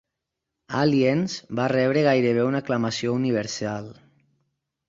Aliens va rebre gairebé una aclamació universal.